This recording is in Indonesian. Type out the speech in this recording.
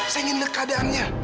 saya ingin lihat keadaannya